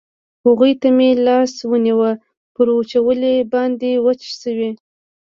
هغوی ته مې لاس ونیو، پر وچولې باندې وچه شوې.